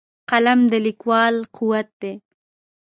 قلم د لیکوال قوت دی